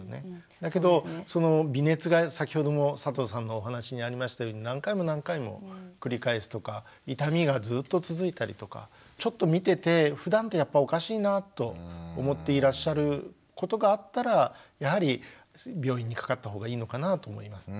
だけどその微熱が先ほどの佐藤さんのお話にありましたように何回も何回も繰り返すとか痛みがずっと続いたりとかちょっと見ててふだんとやっぱおかしいなぁと思っていらっしゃることがあったらやはり病院にかかったほうがいいのかなと思いますね。